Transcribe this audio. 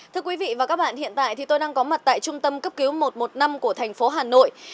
thưa quý vị và các bạn hiện tại thì tôi đang có mặt tại trung tâm cấp cứu một trăm một mươi năm của thành phố hà nội